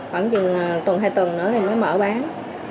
khoảng chừng tuần hai tuần nữa thì mới mở bán